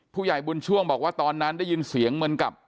ผู้ใหญ่บุญช่วงบอกว่าตอนนั้นได้ยินเสียงเหมือนกับ